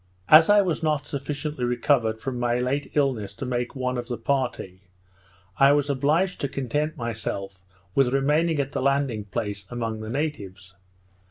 As I was not sufficiently recovered from my late illness to make one of the party, I was obliged to content myself with remaining at the landing place among the natives.